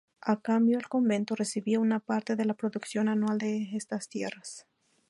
A cambio, el convento recibía una parte de la producción anual de estas tierras.